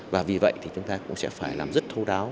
và vì vậy chúng ta cũng sẽ phải làm rất thâu đáo